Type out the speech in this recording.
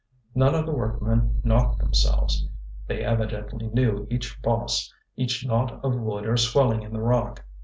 None of the workmen knocked themselves; they evidently knew each boss, each knot of wood or swelling in the rock.